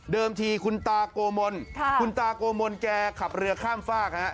เดิมทีคุณตากโกมนคุณตากโกมนแกขับเรือข้ามฟาก